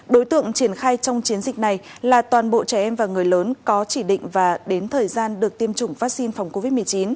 đối tượng triển khai trong chiến dịch này là toàn bộ trẻ em và người lớn có chỉ định và đến thời gian được tiêm chủng vaccine phòng covid một mươi chín